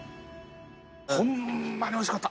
ホンマにおいしかった！